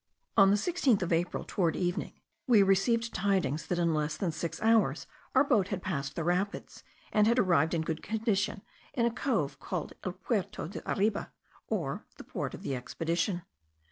On the 16th of April, towards evening, we received tidings that in less than six hours our boat had passed the rapids, and had arrived in good condition in a cove called el Puerto de arriba, or the Port of the Expedition.